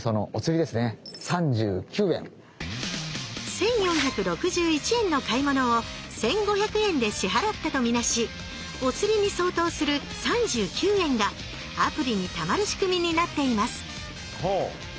１，４６１円の買い物を１，５００円で支払ったと見なし「おつり」に相当する３９円がアプリにたまる仕組みになっています